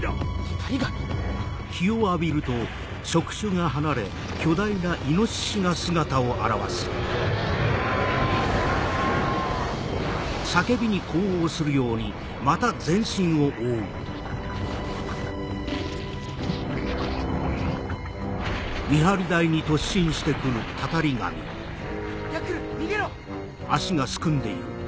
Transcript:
神⁉ヤックル逃げろ！